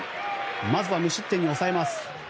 まずは無失点に抑えます。